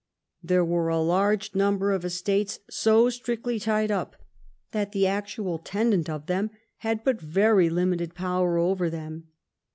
There were a large number of estates so strictly tied up that the actual tenant of them had but very limited power over them.